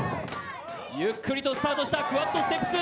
ゆっくりとスタートしたクワッドステップス。